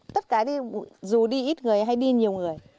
tất cả đi dù đi ít người hay đi nhiều người